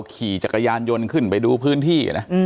ขี่จักรยานยนต์ขึ้นไปดูพื้นที่นะ